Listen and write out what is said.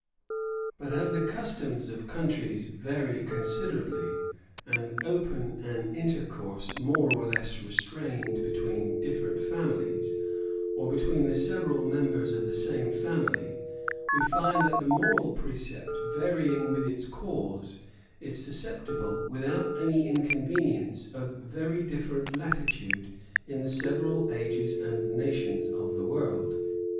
But as the customs of countries vary considerably, and open an intercourse, more or less restrained, between different families, or between the several members of the same family, we find that the moral precept, varying with its cause, is susceptible, without any inconvenience, of very different latitude in the several ages and nations of the world.